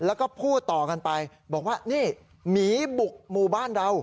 แล้วก็พูดต่อกันไปบอกว่านี่หมีบุกหมู่บ้านเรา